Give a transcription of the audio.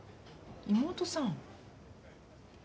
妹さん？